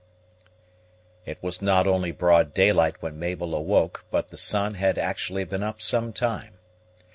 It was not only broad daylight when Mabel awoke, but the sun had actually been up some time.